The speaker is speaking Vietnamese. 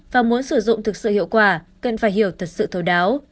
và muốn sử dụng thực sự hiệu quả cần phải hiểu thật sự thấu đáo